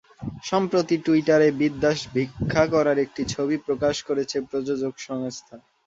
সম্প্রতি টুইটারে বিদ্যার ভিক্ষা করার একটি ছবি প্রকাশ করেছে প্রযোজক সংস্থা।